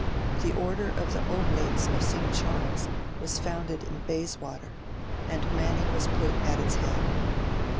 The order of the Oblates of St. Charles was founded in Bayswater, and Manning was put at its head.